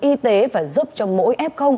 y tế và giúp cho mỗi f